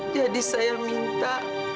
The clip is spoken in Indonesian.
jadi saya minta